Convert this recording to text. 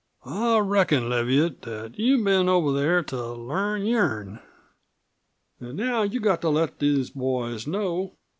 I reckon, Leviatt, that you've been over there to learn your'n. An' now you've got to let these boys know